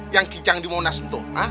yang kijang di monasento